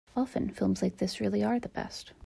Often, films like this really are the best.